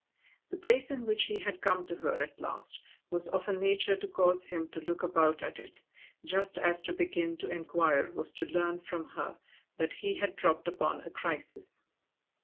The place in which he had come to her at last was of a nature to cause him to look about at it, just as to begin to inquire was to learn from her that he had dropped upon a crisis.